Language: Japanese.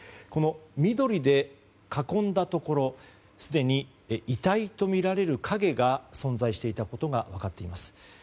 この緑で囲んだところすでに遺体とみられる影が存在していたことが分かっています。